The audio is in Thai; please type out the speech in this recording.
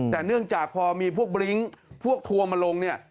แต่เนื่องจากพอมีพวกบลิ้งพวกทัวร์มาลงเนี่ย